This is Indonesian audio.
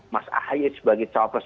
mas ahy sebagai cawapres